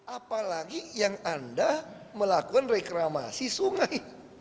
apalagi yang anda melakukan reklamasi sungai